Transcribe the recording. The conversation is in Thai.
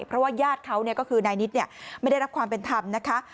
เพราะว่าญาติเขาก็คือนายนิดไม่ได้รับความเป็นธรรมนะคะ